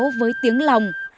cây sáo với tiếng lòng